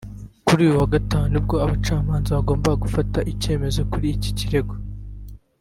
Kuri uyu wa Gatanu ni bwo abacamanza bagombaga gufata icyemezo kuri iki kirego